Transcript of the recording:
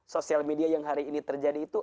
sosial media yang hari ini terjadi itu